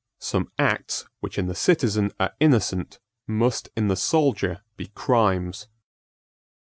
Some acts which in the citizen are innocent must in the soldier be crimes.